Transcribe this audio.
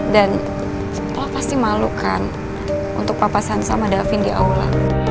dan lo pasti malu kan untuk papasan sama davin di aula